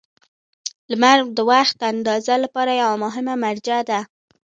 • لمر د وخت اندازې لپاره یوه مهمه مرجع ده.